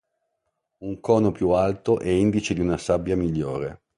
Un cono più alto è indice di una sabbia migliore.